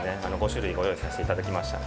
５種類ご用意させていただきました。